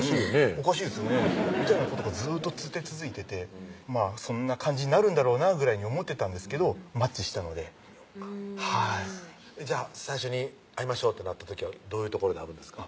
おかしいですよねみたいなことがずっと続いててそんな感じになるんだろうなぐらいに思ってたんですけどマッチしたのでよかった最初に「会いましょう」ってなった時はどういう所で会うんですか？